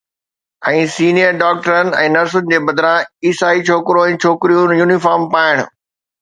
۽ senior ڊاڪٽرن ۽ نرسن جي بدران، عيسائي ڇوڪرو ۽ ڇوڪريون يونيفارم پائڻ